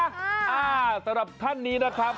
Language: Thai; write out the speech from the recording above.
อ่าสำหรับท่านนี้นะครับ